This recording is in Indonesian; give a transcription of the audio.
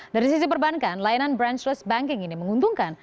dari sisi perbankan layanan branchless banking ini menguntungkan